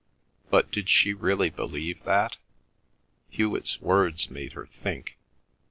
But did she really believe that? Hewet's words made her think.